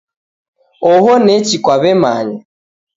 Oho nechi kwaw'emanya.